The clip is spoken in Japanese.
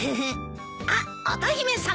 あっ乙姫さまだ。